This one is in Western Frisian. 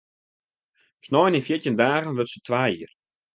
Snein yn fjirtjin dagen wurdt se twa jier.